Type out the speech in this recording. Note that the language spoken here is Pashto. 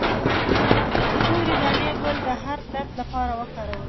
د تورې دانې ګل د هر درد لپاره وکاروئ